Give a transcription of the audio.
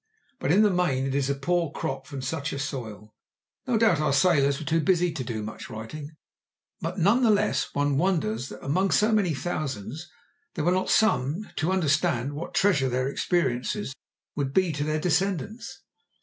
But in the main it is a poor crop from such a soil. No doubt our sailors were too busy to do much writing, but none the less one wonders that among so many thousands there were not some to understand what a treasure their experiences would be to their descendants.